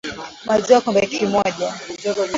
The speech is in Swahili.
maziwa kikombe kimoja